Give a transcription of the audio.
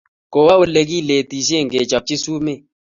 kowo ole kiletishe kechopchi sumek